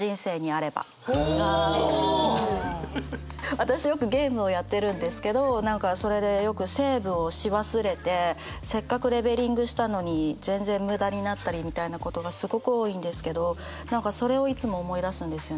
私よくゲームをやってるんですけど何かそれでよくセーブをし忘れてせっかくレベリングしたのに全然無駄になったりみたいなことがすごく多いんですけど何かそれをいつも思い出すんですよね。